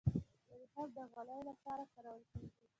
وریښم د غالیو لپاره کارول کیږي.